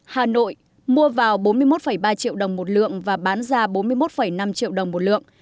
hà nội mua vào bốn mươi một ba triệu đồng một lượng và bán ra bốn mươi một năm triệu đồng một lượng